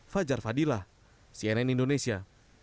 fajar fadillah cnn indonesia